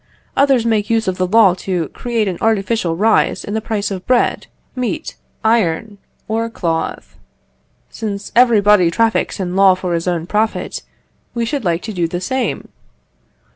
Others make use of the law to create an artificial rise in the price of bread, meat, iron, or cloth. Since everybody traffics in law for his own profit, we should like to do the same.